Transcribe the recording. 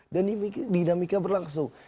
dan dinamiknya berlangsung